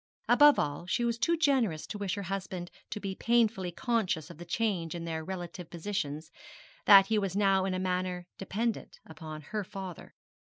Above all, she was too generous to wish her husband to be painfully conscious of the change in their relative positions, that he was now in a manner dependent upon her father.